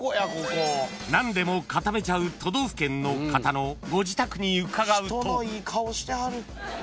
［何でも固めちゃう都道府県の方のご自宅に伺うと］